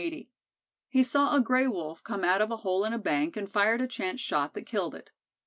He saw a Gray wolf come out of a hole in a bank and fired a chance shot that killed it.